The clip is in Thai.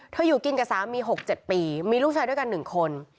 อยู่กินกับสามี๖๗ปีมีลูกชายด้วยกัน๑คน